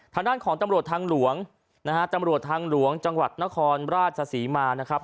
ทางด้านของตำรวจทางหลวงจังหวัดนครราชศรีมานะครับ